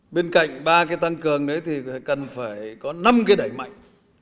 bên cạnh ba cái tăng cường đấy thì cần phải có năm cái đẩy mạnh